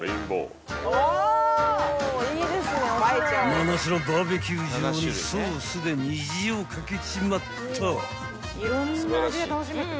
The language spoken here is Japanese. ［真夏のバーベキュー場にソースで虹を架けちまった］